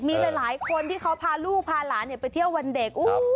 มีหลายคนที่เขาพาลูกพาหลานไปเที่ยววันเด็ก